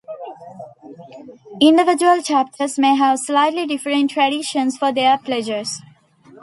Individual chapters may have slightly differing traditions for their pledges.